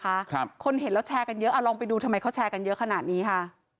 ครับคนเห็นแล้วแชร์กันเยอะอ่ะลองไปดูทำไมเขาแชร์กันเยอะขนาดนี้ค่ะ